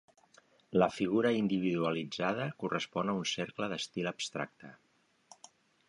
La figura individualitzada correspon a un cercle d'estil abstracte.